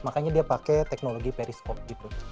makanya dia pakai teknologi periscop gitu